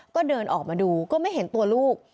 ก็เดินออกมาดูก็ไม่เห็นตัวลูก